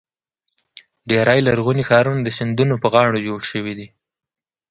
ډېری لرغوني ښارونه د سیندونو پر غاړو جوړ شوي دي.